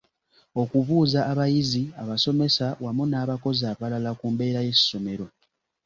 Okubuuza abayizi, abasomesa wamu n'abakozi abalala ku mbeera y'essomero.